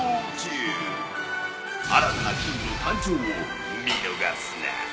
新たなキングの誕生を見逃すな！